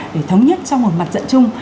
để thống nhất trong một mặt trận chung